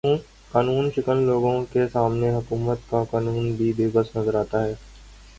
قانوں شکن لوگوں کے سامنے حکومت کا قانون بھی بے بس نظر آتا ہے